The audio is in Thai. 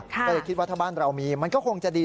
ก็เลยคิดว่าถ้าบ้านเรามีมันก็คงจะดี